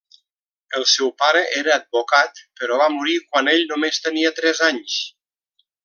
El seu pare era advocat, però va morir quan ell només tenia tres anys.